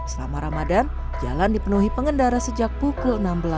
selama ramadan jalan dipenuhi pengendara sejak pukul enam belas